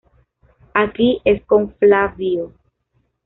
Aquí es con Flavio.